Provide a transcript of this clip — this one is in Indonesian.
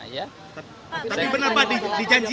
tapi benar pak dijanjiin